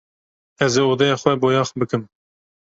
Ez ê odeya xwe boyax bikim.